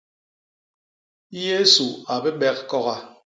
Yésu a bibek koga.